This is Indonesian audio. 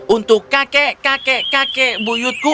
untuk kakek kakek kakek buyutku